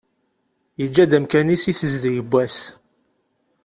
Yeǧǧa-d amkan-is i tezdeg n wass.